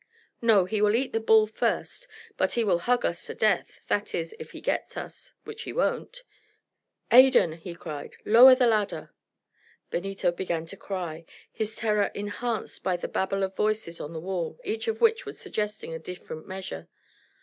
"No; he will eat the bull first; but he will hug us to death that is, if he gets us which he won't. Adan!" he cried, "lower the ladder." Benito began to cry, his terror enhanced by the babel of voices on the wall, each of which was suggesting a different measure.